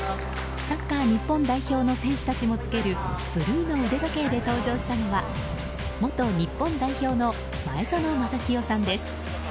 サッカー日本代表の選手たちも着けるブルーの腕時計で登場したのは元日本代表の前園真聖さんです。